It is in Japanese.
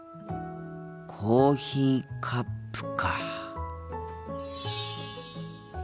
コーヒーカップか。